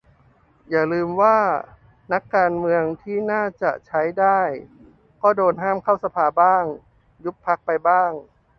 อย่าลืมว่านักการเมืองที่น่าจะใช้ได้ก็โดนห้ามเข้าสภาบ้าง ยุบพรรคไปบ้าง